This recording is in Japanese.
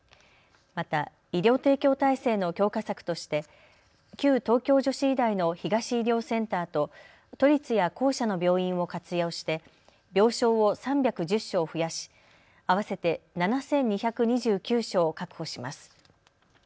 また医療提供体制の強化策として旧東京女子医大の東医療センターと都立や公社の病院を活用して病床を３１０床を増やし、合わせて７２２９床を確保します。